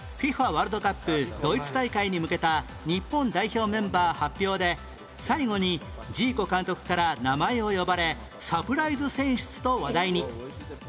ワールドカップドイツ大会に向けた日本代表メンバー発表で最後にジーコ監督から名前を呼ばれサプライズ選出と話題に